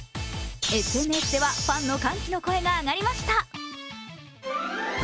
ＳＮＳでは、ファンの歓喜の声が上がりました。